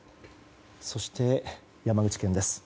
そして山口県です。